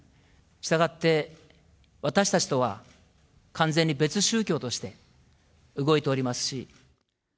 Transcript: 従って、私たちとは完全に別宗教として動いておりますし。